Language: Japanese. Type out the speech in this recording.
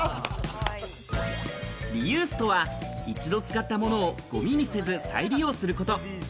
リユースとは１度使ったものをゴミにせず再利用すること。